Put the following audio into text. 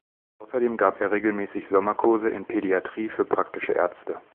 Außerdem gab er regelmäßig Sommerkurse in Pädiatrie für praktische Ärzte.